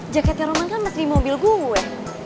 jaketnya roman kan masih di mobil gue